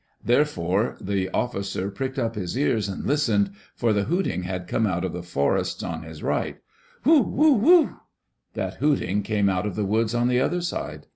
Therefore the officer pricked up his ears and listened, for the hooting had come out of the forest on his right ''Whoot Whool fVhoO'Oot" That hooting came out of the woods on the other side.